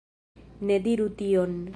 Ne diru tion